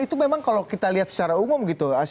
itu memang kalau kita lihat secara umum gitu